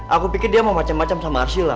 aku pikir dia mau macem macem sama arshila